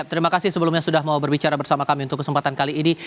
terima kasih sebelumnya sudah mau berbicara bersama kami untuk kesempatan kali ini